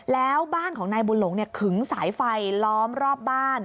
แล้วบ้านของนายบุญหลงขึงสายไฟล้อมรอบบ้าน